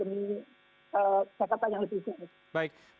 demi sekatan yang lebih besar